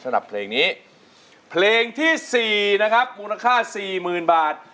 สำหรับเพลงนี้เพลงที่๔นะครับมูลค่าสี่หมื่นบาท